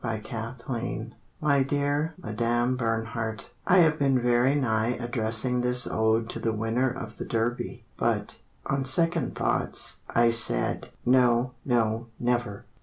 BERNHARDT My dear Madame Bernhardt, I have been very nigh addressing this ode To the winner of the Derby. But, on second thoughts, I said, "No, no never!"